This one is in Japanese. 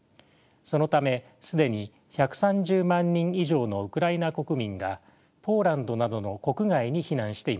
そのため既に１３０万人以上のウクライナ国民がポーランドなどの国外に避難しています。